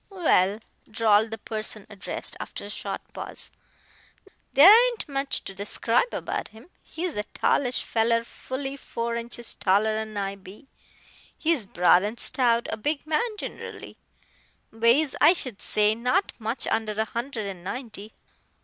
"Well," drawled the person addressed, after a short pause "there ain't much to describe about him. He's a tallish feller fully four inches taller'n I be. He's broad and stout a big man ginerally. Weighs, I should say, not much under a hundred and ninety.